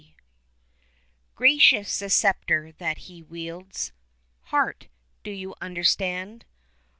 His Care Gracious the sceptre that He wields, Heart! do you understand?